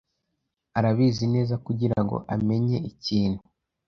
Arabizi neza, kugirango amenye ikintu.